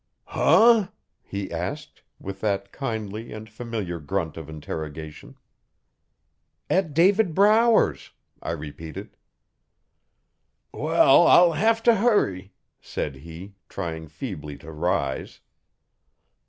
'Huh?' he asked, with that kindly and familiar grunt of interrogation. 'At David Brower's,' I repeated. 'Well, I'll have t' hurry,' said he, trying feebly to rise.